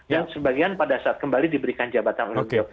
dan sebagian pada saat kembali diberikan jabatan universitas